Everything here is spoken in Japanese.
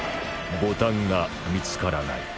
ボタンが見つからない